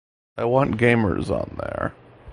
I want gamers on there.